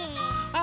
「あ！」